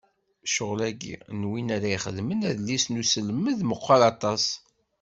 Ccɣel-agi n win ara ixedmen adlis n uselmed meqqer aṭas.